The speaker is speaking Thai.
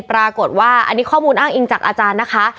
ปรากฏว่าอันนี้ข้อมูลอ้างอิงจากอาจารย์นะคะ